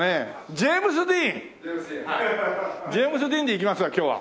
ジェームズ・ディーンでいきますわ今日は。